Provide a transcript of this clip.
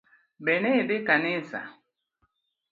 Be ne idhi kanisa?